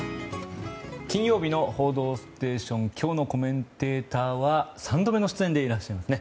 金曜日の「報道ステーション」今日のコメンテーターは３度目の出演でいらっしゃいますね。